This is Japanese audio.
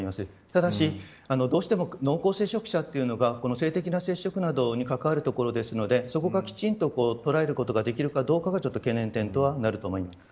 ただし、どうしても濃厚接触者というのが性的な接触などに関わるところですのでそこが、きちんと捉えることができるかどうかが懸念点となると思います。